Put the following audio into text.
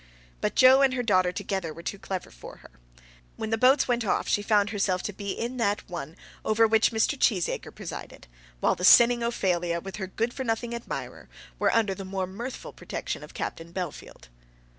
But Joe and her daughter together were too clever for her. When the boats went off she found herself to be in that one over which Mr. Cheesacre presided, while the sinning Ophelia with her good for nothing admirer were under the more mirthful protection of Captain Bellfield.